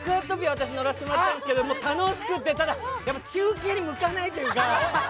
私、乗らせてしまったんですけど、楽しくて、ただ、中継に向かないというか。